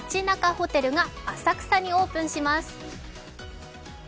ホテルが浅草にオープンします。